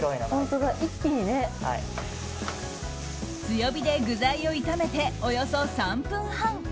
強火で具材を炒めておよそ３分半。